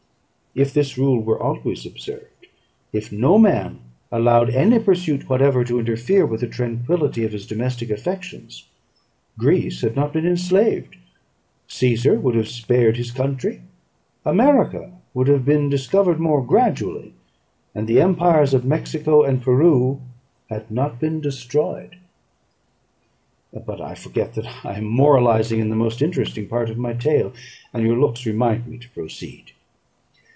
If this rule were always observed; if no man allowed any pursuit whatsoever to interfere with the tranquillity of his domestic affections, Greece had not been enslaved; Cæsar would have spared his country; America would have been discovered more gradually; and the empires of Mexico and Peru had not been destroyed. But I forget that I am moralising in the most interesting part of my tale; and your looks remind me to proceed.